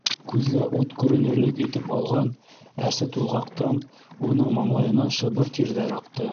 Күҙгә ут күренерлек итеп алған әсе тулғаҡтан уның маңлайынан шыбыр тирҙәр аҡты.